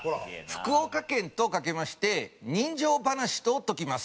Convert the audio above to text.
福岡県とかけまして人情話とときます。